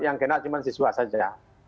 yang kena cuma siswa saja